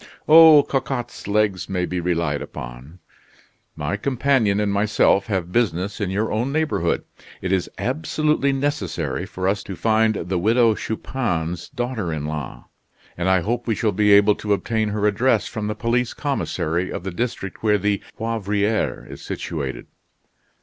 "Oh, Cocotte's legs may be relied upon." "My companion and myself have business in your own neighborhood. It is absolutely necessary for us to find the Widow Chupin's daughter in law; and I hope we shall be able to obtain her address from the police commissary of the district where the Poivriere is situated."